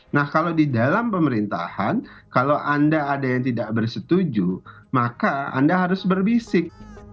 nah kalau di dalam pemerintahan kalau anda ada yang tidak bersetuju maka anda harus berbisik